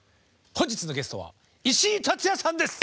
本日のゲストは石井竜也さんです！